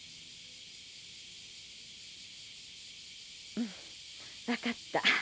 うん分かった。